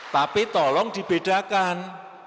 tapi tolong dibedakan